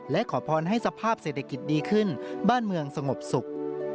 และขอพรให้สภาพเศรษฐกิจดีขึ้นบ้านเมืองสงบสุข